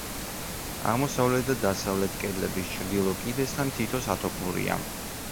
აღმოსავლეთ და დასავლეთ კედლების ჩრდილო კიდესთან თითო სათოფურია.